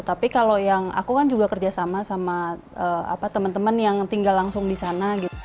tapi kalau yang aku kan juga kerjasama sama teman teman yang tinggal langsung di sana